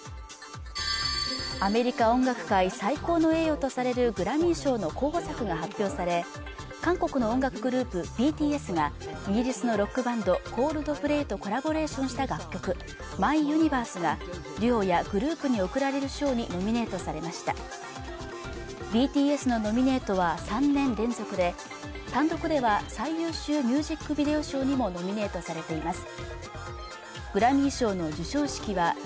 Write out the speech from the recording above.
アメリカ音楽界最高の栄誉とされるグラミー賞の候補作が発表され韓国の音楽グループＢＴＳがイギリスのロックバンドＣｏｌｄｐｌａｙとコラボレーションした楽曲「ＭｙＵｎｉｖｅｒｓｅ」がデュオやグループに贈られる賞にノミネートされましたＢＴＳのノミネートは３年連続で単独では最優秀ミュージックビデオ賞にもノミネートされています